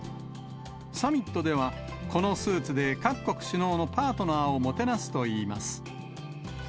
サミットではこのスーツで各国首脳のパートナーをもてなすといいます。